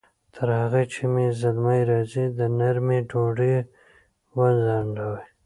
تر هغې چې زلمی راځي، د غرمې ډوډۍ وځڼډوئ!